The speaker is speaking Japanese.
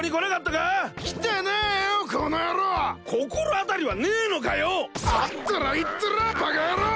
あったら言ってらぁバカ野郎！